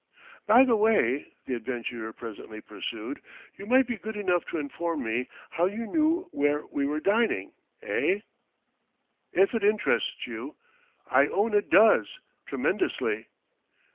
"By the way," the adventurer presently pursued, "you might be good enough to inform me how you knew where we were dining eh?" "If it interests you " "I own it does tremendously!"